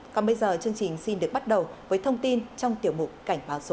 còn bây giờ chương trình xin được bắt đầu với thông tin trong tiểu mục cảnh báo số